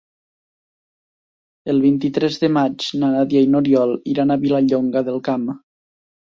El vint-i-tres de maig na Nàdia i n'Oriol iran a Vilallonga del Camp.